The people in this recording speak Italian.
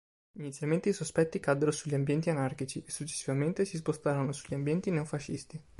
Inizialmente i sospetti caddero sugli ambienti anarchici, e successivamente si spostarono sugli ambienti neofascisti.